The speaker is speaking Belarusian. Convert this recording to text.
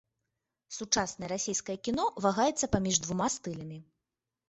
Сучаснае расейскае кіно вагаецца паміж двума стылямі.